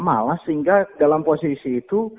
malah sehingga dalam posisi itu